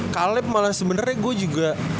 kaleb malah sebenarnya gue juga